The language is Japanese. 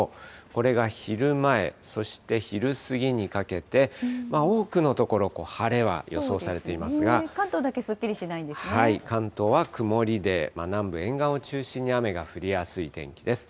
これが昼前、そして昼過ぎにかけて、多くの所、晴れは予想されて関東だけすっきりしないんで関東は曇りで、南部沿岸を中心に雨が降りやすい天気です。